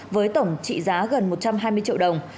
với tổng trị giá gần một trăm hai mươi triệu đồng